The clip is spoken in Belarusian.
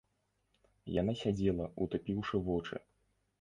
Яна сядзела, утупіўшы вочы.